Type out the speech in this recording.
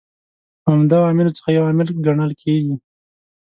عمده عواملو څخه یو عامل کڼل کیږي.